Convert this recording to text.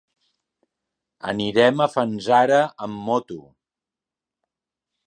Anirem a Fanzara amb moto.